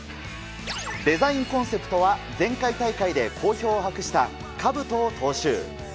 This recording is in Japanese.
デザインコンセプトは、前回大会で好評を博したかぶとを踏襲。